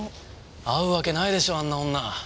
会うわけないでしょあんな女。